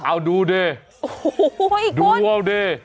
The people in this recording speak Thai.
อ้าวดูเด้ดูดูเด้